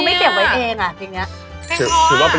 ไม่จะบอกว่าทำไมคุณไม่เก็บไว้เองอะเพลงเนี้ย